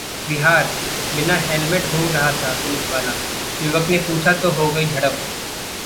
बिहार: बिना हेलमेट घूम रहा था पुलिसवाला, युवक ने पूछा तो हो गई झड़प